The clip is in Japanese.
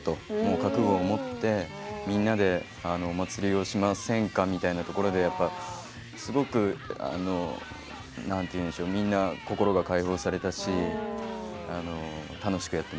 覚悟を持って、みんなでお祭りをしませんかみたいなところですごく、みんな心が解放されたし楽しくやってました。